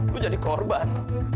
lu jadi korban